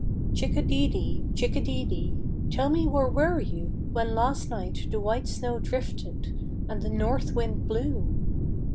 Chick a dee dee, chick a dee dee, Tell me where were you When last night the white snow drifted And the north wind blew?